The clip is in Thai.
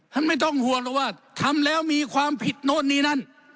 ไม่ต้องห่วงหรอกว่าทำแล้วมีความผิดโน้นนี่นั่น